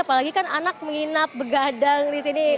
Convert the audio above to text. apalagi kan anak menginap begadang di sini